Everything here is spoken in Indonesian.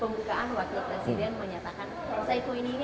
pak fina menyatakan ruzeiko ini adalah warisan yang dibuat indonesia